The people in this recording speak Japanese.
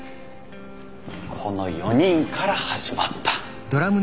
この４人から始まった。